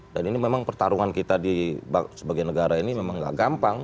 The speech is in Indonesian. dan ini memang pertarungan kita sebagai negara ini memang gak gampang